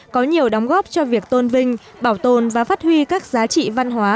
có nhiều đóng góp cho việc tôn vinh bảo tồn và phát huy các giá trị văn hóa